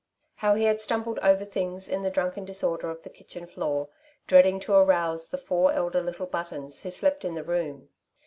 How he had stumbled over things in the drunken disorder of the kitchen floor, dreading to arouse the four elder little Buttons who slept in the room.